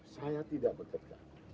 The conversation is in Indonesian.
saya tidak bekerja